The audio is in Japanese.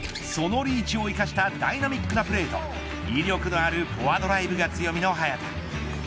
そのリーチを生かしたダイナミックなプレーと魅力のあるフォアドライブが強みの早田。